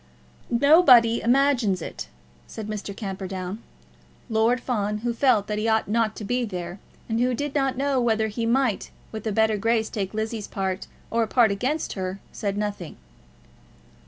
"Nobody imagines it," said Mr. Camperdown. Lord Fawn, who felt that he ought not to be there, and who did not know whether he might with a better grace take Lizzie's part or a part against her, said nothing.